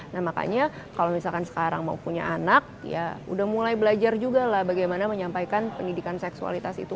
nah makanya kalau misalkan sekarang mau punya anak ya udah mulai belajar juga lah bagaimana menyampaikan pendidikan seksualitas itu